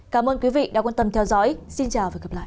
cảm ơn quý vị đã quan tâm theo dõi xin chào và hẹn gặp lại